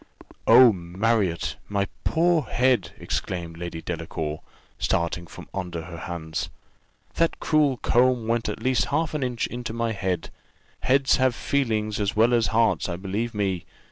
"Oh, Marriott! my poor head!" exclaimed Lady Delacour, starting from under her hands: "that cruel comb went at least half an inch into my head heads have feeling as well as hearts, believe me."